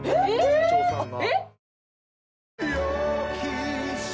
社長さんが。